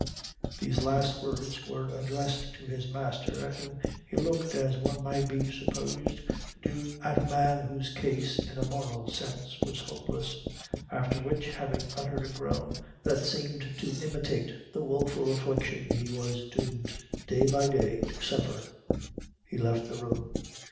These last words were addressed to his master, at whom he looked as one might be supposed to do at a man whose case, in a moral sense, was hopeless; after which, having uttered a groan that seemed to imitate the woeful affliction he was doomed, day by day, to suffer, he left the room.